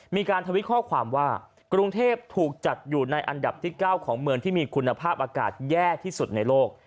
ทวิตข้อความว่ากรุงเทพถูกจัดอยู่ในอันดับที่๙ของเมืองที่มีคุณภาพอากาศแย่ที่สุดในโลก